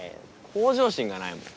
向上心がないもん